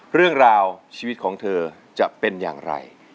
เรื่องราวชีวิตของเธอจะเป็นอย่างไร